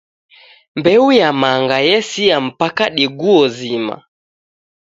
Mbeu ya manga yesia mpaka diguo zima